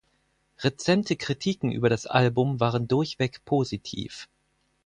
Rezente Kritiken über das Album waren durchweg positiv.